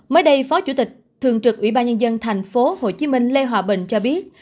mới đây phó chủ tịch thường trực ủy ban nhân dân tp hcm lê hòa bình cho biết